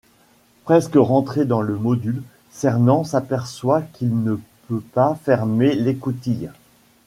Presque rentré dans le module, Cernan s'aperçoit qu'il ne peut pas fermer l'écoutille.